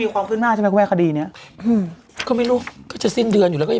ความขึ้นหน้าใช่ไหมคุณแม่คดีเนี้ยอืมก็ไม่รู้ก็จะสิ้นเดือนอยู่แล้วก็ยัง